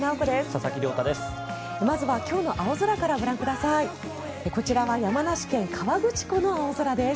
佐々木亮太です。